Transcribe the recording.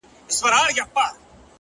ورځه وريځي نه جــلا ســـولـه نـــن ـ